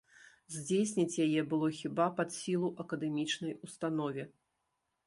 Здзейсніць яе было хіба пад сілу акадэмічнай установе.